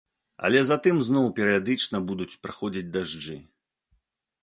Але затым зноў перыядычна будуць праходзіць дажджы.